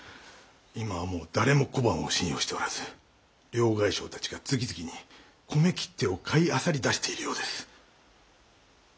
今はもう誰も小判を信用しておらず両替商たちが次々に米切手を買いあさりだしているようです。